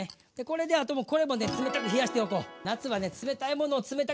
これであとはこれも冷たく冷やしておこう。